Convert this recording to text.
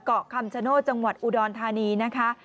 เกาะคำชโนธจังหวัดอุดรธานีนะคะ